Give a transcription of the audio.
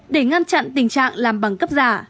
để ngăn chặn tình trạng làm bằng cấp giả